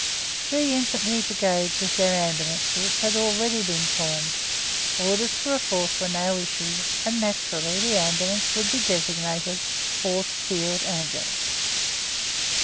Three Infantry Brigades with their Ambulances had already been formed; orders for a fourth were now issued, and naturally the Ambulance would be designated Fourth Field Ambulance.